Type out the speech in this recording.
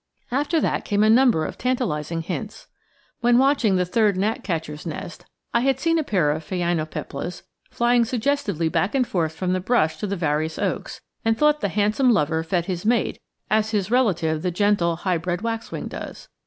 After that came a number of tantalizing hints. When watching the third gnatcatcher's nest I had seen a pair of phainopeplas flying suggestively back and forth from the brush to the various oaks, and thought the handsome lover fed his mate as his relative the gentle high bred waxwing does.